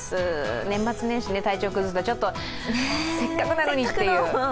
年末年始、体調を崩すとせっかくなのに、という。